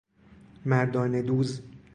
مردانه دوز